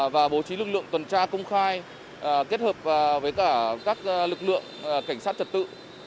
và bố trí lực lượng tuần tra công khai kết hợp với cả các lực lượng cảnh sát trật tự